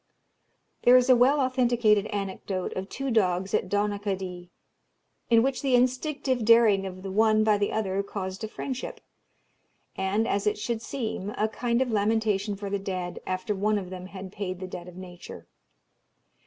There is a well authenticated anecdote of two dogs at Donaghadee, in which the instinctive daring of the one by the other caused a friendship, and, as it should seem, a kind of lamentation for the dead, after one of them had paid the debt of nature.